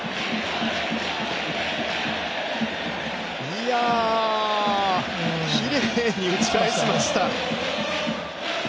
いやあきれいに打ち返しました。